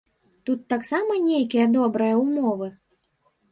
Тут таксама нейкія добрыя ўмовы?